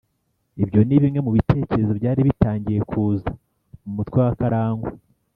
ibyo ni bimwe mu bitekerezo byari bitangiye kuza mu mutwe wa karangwa.